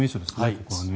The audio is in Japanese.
ここはね。